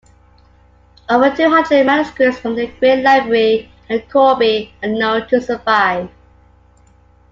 Over two hundred manuscripts from the great library at Corbie are known to survive.